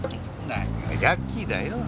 何がヤッキーだよ。